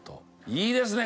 いいですね！